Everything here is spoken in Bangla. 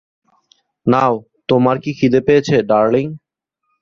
নাও, তোমার কি খিদে পেয়েছে, ডার্লিং?